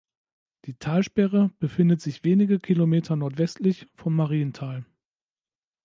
Die Talsperre befindet sich wenige Kilometer nordwestlich von Mariental.